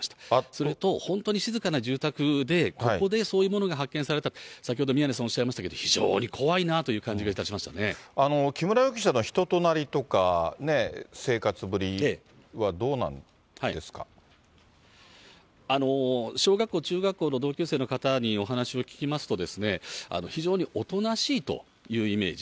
それと本当に静かな住宅で、ここでそういうものが発見された、先ほど宮根さんおっしゃいましたけど、非常に怖いなという感じがい木村容疑者の人となりとか、小学校、中学校の同級生の方にお話を聞きますと、非常におとなしいというイメージ。